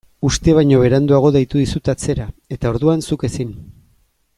Uste baino beranduago deitu dizut atzera eta orduan zuk ezin.